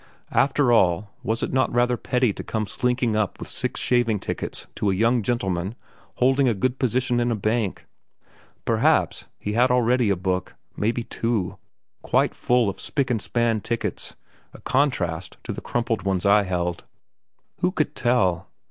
After all, was it not rather petty to come slinking up with six shaving tickets to a young gentleman holding a good position in a bank? Perhaps, he had already a book, maybe two, quite full of spick and span tickets, a contrast to the crumpled ones I held. Who could tell?